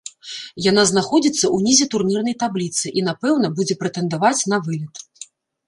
Яна заходзіцца ўнізе турнірнай табліцы і, напэўна, будзе прэтэндаваць на вылет.